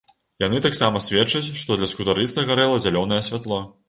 Яны таксама сведчаць, што для скутарыста гарэла зялёнае святло.